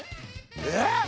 えっ！？